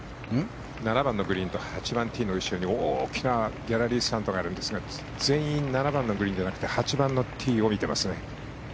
７番のグリーンと８番ティーの後ろに大きなギャラリースタンドがあるんですが全員、７番のグリーンじゃなくて８番のティーを見てますね。